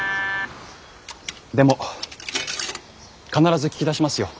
でも必ず聞き出しますよ。